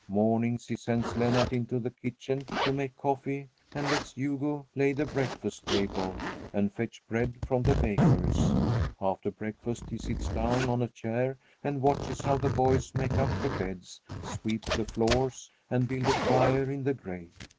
Mornings he sends Lennart into the kitchen to make coffee and lets Hugo lay the breakfast table and fetch bread from the baker's. After breakfast he sits down on a chair and watches how the boys make up the beds, sweep the floors, and build a fire in the grate.